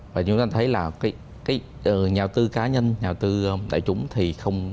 và chúng ta thấy là nhà tư cá nhân nhà tư đại chúng thì không